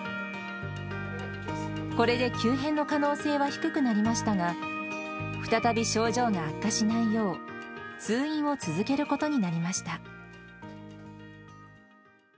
これで急変の可能性は低くなりましたが、再び症状が悪化しないよう、通院を続けることになりました。